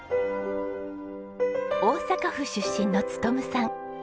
大阪府出身の勉さん。